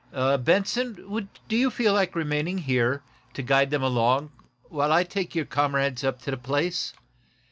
Benson, do you feel like remaining here, to guide them along, while I take your comrades up to the place?